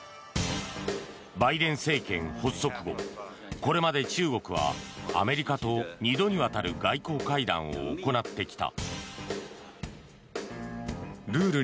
バイデン政権発足後これまで中国はアメリカと２度にわたる外交会談を行ってきた。